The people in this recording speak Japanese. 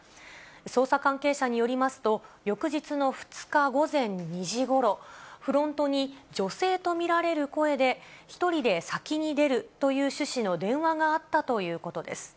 捜査関係者によりますと、翌日の２日午前２時ごろ、フロントに女性と見られる声で、１人で先に出るという趣旨の電話があったということです。